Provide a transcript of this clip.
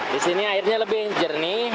disini airnya lebih jernih